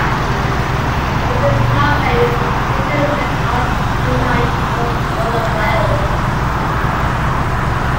From this power base, he later went on to unite almost all of Wales.